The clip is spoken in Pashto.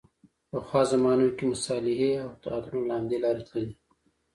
پخوا زمانو کې مصالحې او عطرونه له همدې لارې تللې.